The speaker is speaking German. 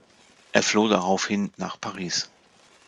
Er floh daraufhin nach Paris.